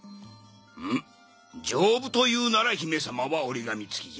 うむ丈夫というなら姫様は折り紙つきじゃ。